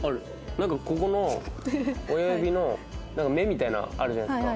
なんかここの親指のなんか目みたいなのあるじゃないですか。